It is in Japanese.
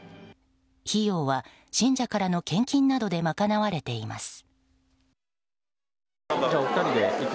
費用は信者からの献金などで賄われています。